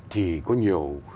thì có nhiều